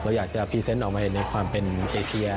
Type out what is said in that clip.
เราอยากจะพรีเซนต์ออกมาในความเป็นเอเชีย